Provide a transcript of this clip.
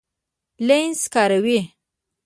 لینز کاروئ؟